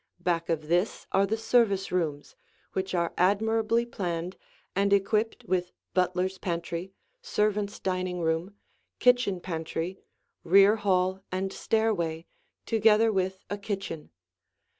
Back of this are the service rooms, which are admirably planned and equipped with butler's pantry, servants' dining room, kitchen pantry, rear hall, and stairway, together with a kitchen.